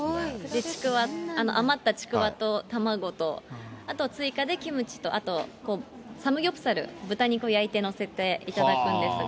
余ったちくわと卵と、あと追加でキムチと、あとサムギョプサル、豚肉を焼いてのせて頂くんですが。